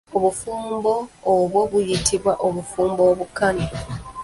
Obufumbo obw'o buyitibwa obufumbo obukane.